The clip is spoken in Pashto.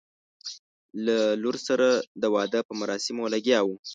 له لور سره د واده په مراسمو لګیا وو.